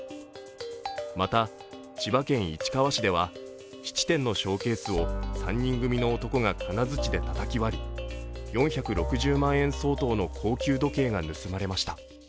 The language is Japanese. また千葉県市川市では質店のショーケースを３人組の男が金づちでたたき割り４６０万円相当の高級時計が盗まれました。